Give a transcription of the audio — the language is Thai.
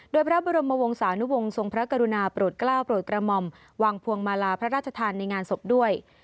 โดยพระบรมวงศานุวงศ์ทรงพระกรุณาโปรดกล้าวโปรดกระหม่อมวางพวงมาลาพระราชทานในงานศพด้วย